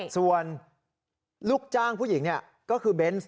ส่วนลูกจ้างผู้หญิงก็คือเบนส์